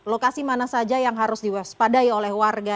lokasi mana saja yang harus diwaspadai oleh warga